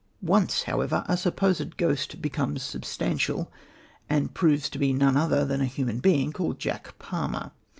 Once, however, a supposed ghost becomes substantial, and proves to be none other than a human being called Jack Palmer.